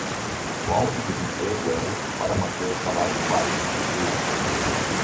O alto desemprego é útil para manter os salários baixos. Lute.